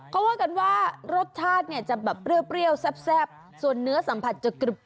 เขาว่ากันว่ารสชาติเนี่ยจะแบบเปรี้ยวแซ่บส่วนเนื้อสัมผัสจะกรุบ